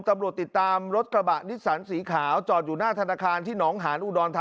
ที่ท้ายกระบะบรรจุอยู่ในถุงชาจีนสีเขียวรวม๑๐๐กิโลกรัมครับ